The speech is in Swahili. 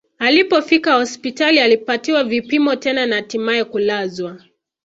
Alipofika hospitali alipatiwa vipimo tena na hatimae kulazwa